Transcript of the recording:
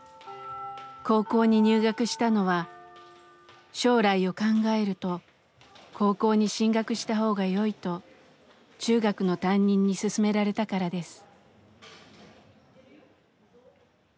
高校に入学したのは「将来を考えると高校に進学した方がよい」と中学の担任に勧められたからです。